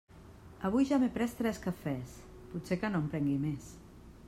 Avui ja m'he pres tres cafès, potser que no en prengui més.